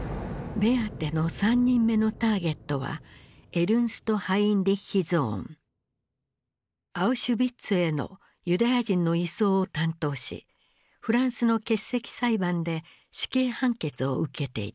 ベアテの３人目のターゲットはアウシュビッツへのユダヤ人の移送を担当しフランスの欠席裁判で死刑判決を受けていた。